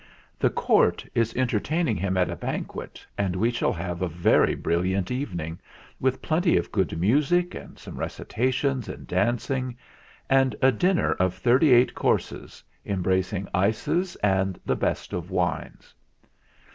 The Court is entertaining him at a banquet, and we shall have a very brilliant evening, with plenty of 104 THE FLINT HEART good music and some recitations and dancing, and a dinner of thirty eight courses, embrac ing ices and the best of wines."